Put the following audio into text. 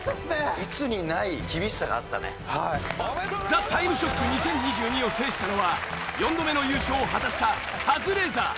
『ザ・タイムショック２０２２』を制したのは４度目の優勝を果たしたカズレーザー。